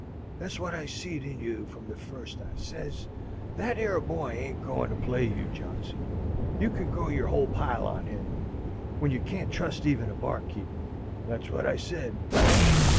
Thet's wot I seed in you from the first. I sez, 'Thet 'ere boy ain't goin' to play you, Johnson! You can go your whole pile on him, when you can't trust even a bar keep.' Thet's wot I said. Eh?"